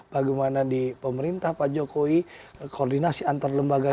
bagaimana di pemerintah pak jokowi koordinasi antar lembaga